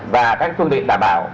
và các phương tiện đảm bảo